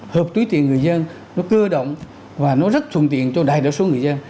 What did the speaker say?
hợp túi tiện người dân nó cưa động và nó rất thuận tiện cho đầy đủ số người dân